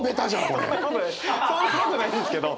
そんなことないですけど！